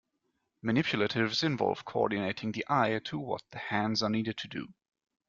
Manipulatives involve coordinating the eye to what the hands are needed to do.